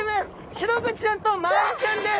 シログチちゃんとマアジちゃんです！